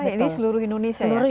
ini seluruh indonesia ya